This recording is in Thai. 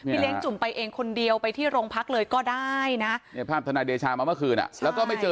อีกนึงจะชั้นแผ่นภาพแภนวิทยาลัยพูดเหรอ